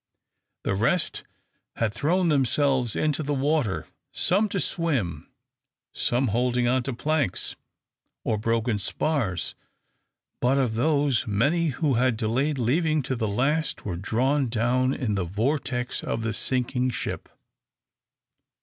The rest had thrown themselves into the water, some to swim, some holding on to planks or broken spars: but of these, many who had delayed leaving to the last, were drawn down in the vortex of the sinking ship.